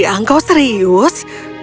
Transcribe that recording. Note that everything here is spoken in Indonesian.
sayang kau serius